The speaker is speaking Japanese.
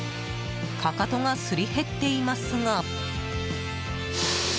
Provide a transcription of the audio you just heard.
かかとがすり減っていますが。